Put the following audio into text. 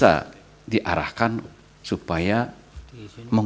untuk nah tentu timing